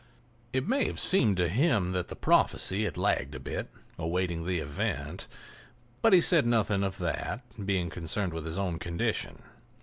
It may have seemed to him that the prophecy had lagged a bit, awaiting the event, but he said nothing of that, being concerned with his own condition.